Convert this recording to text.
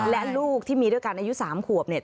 และลูกที่มีด้วยกันอายุ๓ขวบเนี่ย